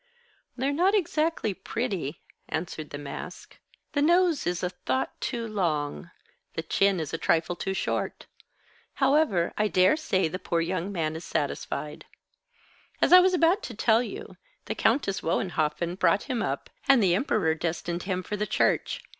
"They're not exactly pretty," answered the mask. "The nose is a thought too long, the chin is a trifle too short. However, I daresay the poor young man is satisfied. As I was about to tell you, the Countess Wohenhoffen brought him up, and the Emperor destined him for the Church.